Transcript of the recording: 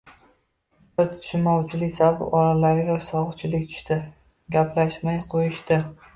Bir tushunmovchilik sabab oralariga sovuqchilik tushdi, gaplashmay qo`yishdi